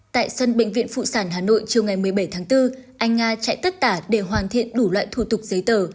tại sân bệnh viện phụ sản hà nội chiều ngày một mươi bảy tháng bốn anh nga chạy tất cả để hoàn thiện đủ loại thủ tục giấy tờ